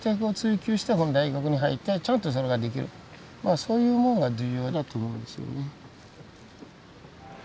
そういうものが重要だと思うんですよね。